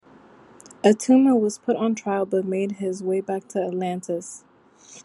Attuma was put on trial, but made his way back to Atlantis.